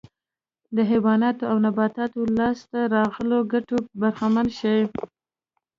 د حیواناتو او نباتاتو لاسته راغلو ګټو برخمن شي